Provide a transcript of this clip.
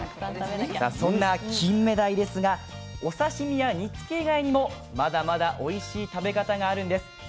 さあそんなキンメダイですがお刺身や煮つけ以外にもまだまだおいしい食べ方があるんです。